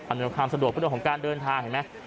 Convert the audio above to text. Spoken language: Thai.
หน่วยความสะดวกก็เรื่องของการเดินทางเห็นไหม